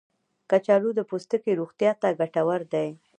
کچالو د پوستکي روغتیا ته ګټور دی.